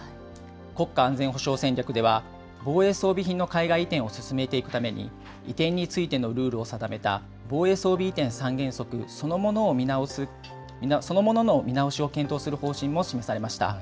国家安全保障戦略では、防衛装備品の海外移転を進めていくために、移転についてのルールを定めた防衛装備移転三原則そのものの見直しを検討する方針も示されました。